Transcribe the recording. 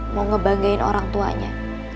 mau ngebanggain orang tuanya